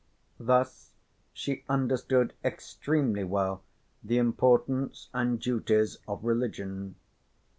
Thus she understood excellently well the importance and duties of religion.